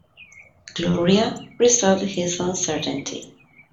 Gloria resolved his uncertainty.